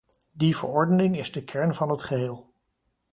Die verordening is de kern van het geheel.